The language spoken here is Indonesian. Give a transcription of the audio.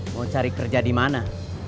mau cari kerja di mana